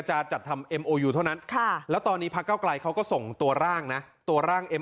เอาเหรอบอกยังไม่ได้มีการแบ่งกระทรวง